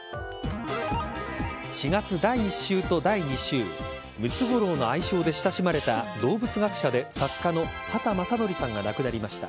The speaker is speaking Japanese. ４月第１週と第２週ムツゴロウの愛称で親しまれた動物学者で作家の畑正憲さんが亡くなりました。